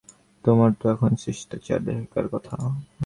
তোমার তো এখন শিষ্টাচার শেখার কথা।